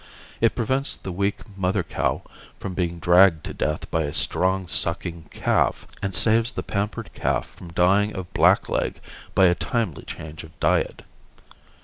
It prevents the weak mother cow from being dragged to death by a strong sucking calf and saves the pampered calf from dying of blackleg by a timely change of diet.